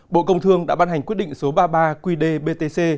bộ công thương đã ban hành quyết định số ba mươi ba qd btc